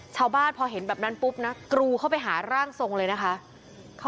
ชาวบ้านพอเห็นแบบนั้นปุ๊บนะกรูเข้าไปหาร่างทรงเลยนะคะ